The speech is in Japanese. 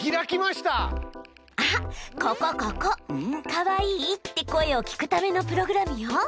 「可愛い」って声を聞くためのプログラムよ。